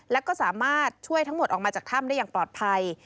แล้วก็สามารถช่วยทั้งหมดออกมาจากถ้ำได้อย่างปลอดภัย